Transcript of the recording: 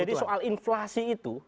jadi soal inflasi itu